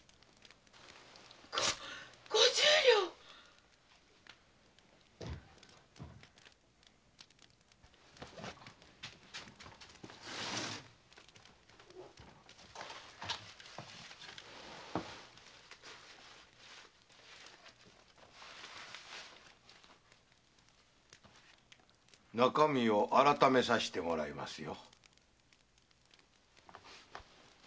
ご五十両⁉中身を改めさせてもらいますよ。